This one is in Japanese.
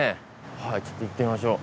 はいちょっと行ってみましょう。